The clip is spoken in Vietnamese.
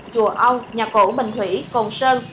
chùa âu nhà cổ bình thủy cồn sơn